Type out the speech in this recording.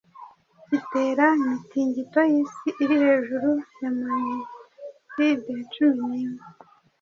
gitera imitingito y’isi iri hejuru ya magnitudes cumi nimwe